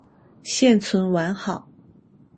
现存完好。